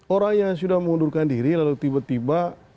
orang yang sudah mengundurkan diri lalu tiba tiba